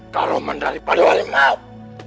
karo menderipadu hari maut